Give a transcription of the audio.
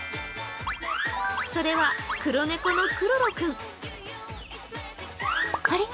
それは、黒猫のクロロ君。